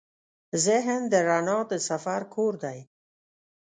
ذهن د رڼا د سفر کور دی.